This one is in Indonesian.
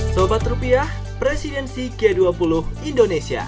sobat rupiah presidensi g dua puluh indonesia